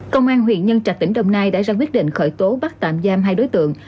công an huyện nhân trạch tỉnh đồng nai đã ra quyết định khởi tố bắt tạm giam hai đối tượng